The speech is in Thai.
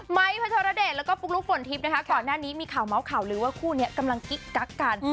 ไมพัทราเดชและครับปุ๊กลุกฝ่นทิพย์ก่อนหน้านี้มีข่าวเมาส์ข่าวรือว่าคู่นี้กำลังกี้กักกัน